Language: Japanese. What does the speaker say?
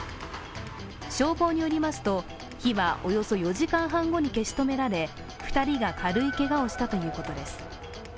消防によりますと、火はおよそ４時間半後に消し止められ２人が軽いけがをしたということです。